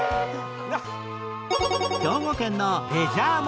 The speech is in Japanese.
兵庫県のレジャー問題